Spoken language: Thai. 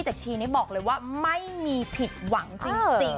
ชีนี่บอกเลยว่าไม่มีผิดหวังจริง